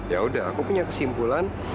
yaudah aku punya kesimpulan